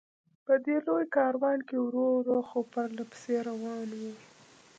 په دې لوی کاروان کې ورو ورو، خو پرله پسې روان و.